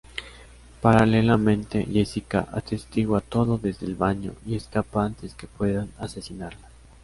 Paralelamente Jessica atestigua todo desde el baño y escapa antes que puedan asesinarla.